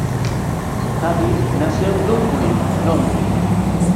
Hadley nació en Bloomsbury, Londres.